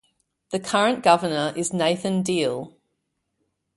The current governor is Nathan Deal.